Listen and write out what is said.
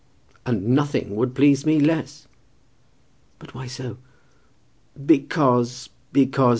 "And nothing would please me less." "But why so?" "Because, because